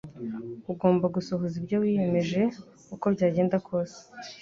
Ugomba gusohoza ibyo wiyemeje uko byagenda kose.